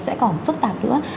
sẽ còn phức tạp nữa